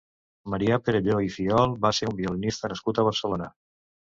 Marià Perelló i Fiol va ser un violinista nascut a Barcelona.